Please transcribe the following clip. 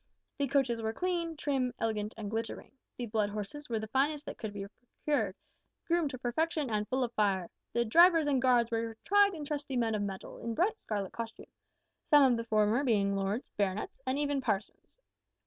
The coaches were clean, trim, elegant, and glittering; the blood horses were the finest that could be procured, groomed to perfection, and full of fire; the drivers and guards were tried and trusty men of mettle, in bright scarlet costume some of the former being lords, baronets, and even parsons!